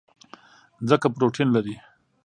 ځکه پروټین لري.